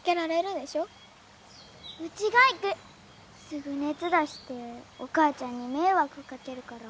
すぐ熱出してお母ちゃんに迷惑かけるから。